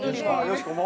よしこも？